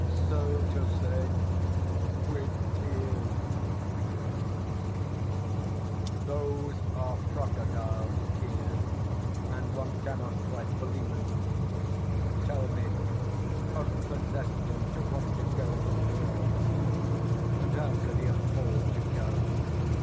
"So to say, with tears! Hm! Those are crocodile's tears and one cannot quite believe in them. Tell me, what possessed him to want to go abroad? And how could he afford to go?